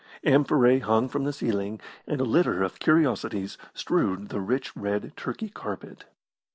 Amphorae hung from the ceiling, and a litter of curiosities strewed the rich red Turkey carpet.